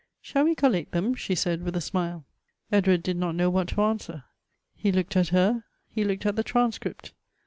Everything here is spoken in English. " Shall we collate them ?" she said, with a smile. Edward did not know what to answer. He looked at her — he looked at the transcript.